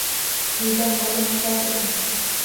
Uyda qolib, kitob oʻqing!